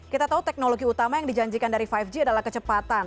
kita tahu teknologi utama yang dijanjikan dari lima g adalah kecepatan